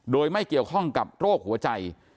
โดยไม่เกี่ยวข้องกับโรคหัวใจ